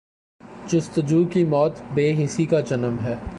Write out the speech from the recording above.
جستجو کی موت بے حسی کا جنم ہے۔